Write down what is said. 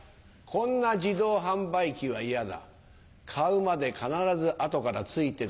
こんな自動販売機は嫌だ。